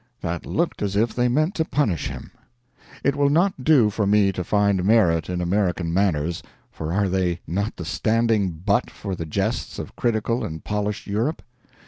That looked as if they meant to punish him. It will not do for me to find merit in American manners for are they not the standing butt for the jests of critical and polished Europe?